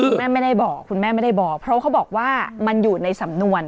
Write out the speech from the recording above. คุณแม่ไม่ได้บอกคุณแม่ไม่ได้บอกเพราะเขาบอกว่ามันอยู่ในสำนวน